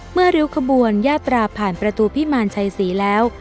ริ้วขบวนยาตราผ่านประตูพิมารชัยศรีแล้ว